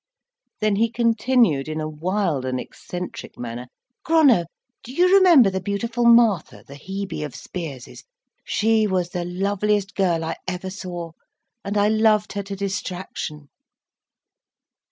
Then he continued, in a wild and eccentric manner: "Gronow, do you remember the beautiful Martha, the Hebe of Spiers's? She was the loveliest girl I ever saw, and I loved her to distraction."